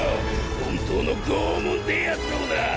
本当の拷問ってやつをな！